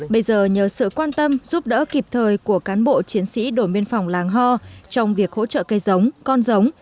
bây giờ nhờ sự quan tâm giúp đỡ kịp thời của cán bộ chiến sĩ đồn biên phòng làng hoa trong việc hỗ trợ cây giống con giống